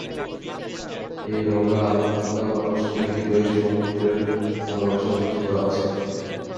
এই রোগা আধপাগলা মানুষটির হৃদয়ে সমুদ্রের ভালবাসা সঞ্চিত আছে।